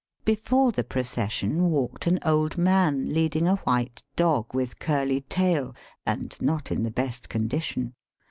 Before the procession walked an old man leading a white dog with curly tail and not in the best condition.